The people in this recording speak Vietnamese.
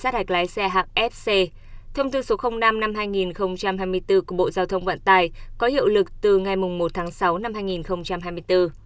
thông tư số năm năm hai nghìn hai mươi bốn của bộ giao thông vận tài có hiệu lực từ ngày một tháng sáu năm hai nghìn hai mươi bốn